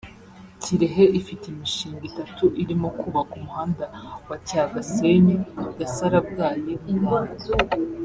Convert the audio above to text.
Kirehe ifite imishinga itatu irimo kubaka umuhanda wa Cyagasenyi-Gasarabwayi-Nganda